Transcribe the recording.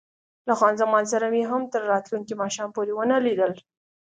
له خان زمان سره مې هم تر راتلونکي ماښام پورې ونه لیدل.